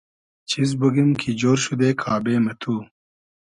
چیز بوگیم کی جۉر شودې کابې مہ تو